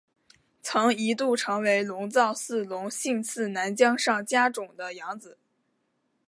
曾一度成为龙造寺隆信次男江上家种的养子。